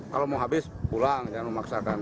kalau mau habis pulang jangan memaksakan